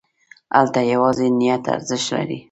هلته یوازې نیت ارزښت لري.